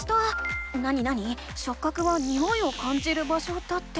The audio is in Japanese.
なになに「しょっ角はにおいを感じる場所」だって。